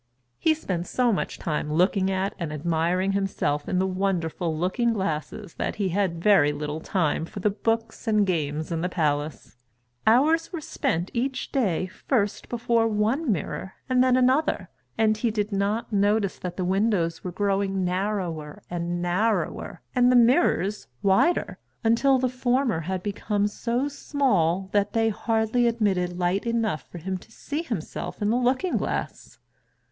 He spent so much time looking at and admiring himself in the wonderful looking glasses that he had very little time for the books and games in the palace. Hours were spent each day first before one mirror and then another, and he did not notice that the windows were growing narrower and narrower and the mirrors wider, until the former had become so small that they hardly admitted light enough for him to see himself in the looking glass.